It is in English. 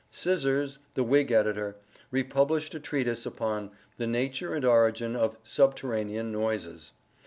Scissors, the Whig editor, republished a treatise upon "the nature and origin of subterranean noises."